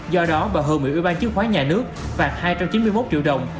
do đó bà hương bị ủy ban chứng khoán nhà nước và hai chín mươi một triệu đồng